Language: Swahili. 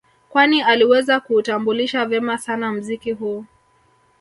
Kwani aliweza kuutambulisha vema sana mziki huu